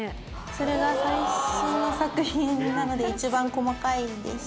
それが最新の作品なので一番細かいんです。